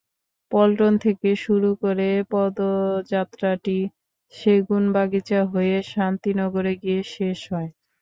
পল্টন থেকে শুরু করে পদযাত্রাটি সেগুনবাগিচা হয়ে শান্তিনগরে গিয়ে শেষ হয়।